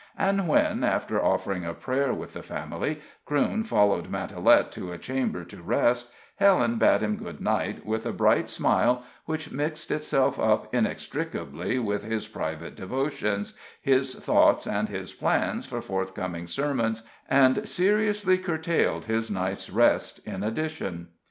And when, after offering a prayer with the family, Crewne followed Matalette to a chamber to rest, Helen bade him good night with a bright smile which mixed itself up inextricably with his private devotions, his thoughts and his plans for forthcoming sermons, and seriously curtailed his night's rest in addition.